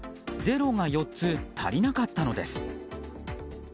０が４つ足りなかったのです。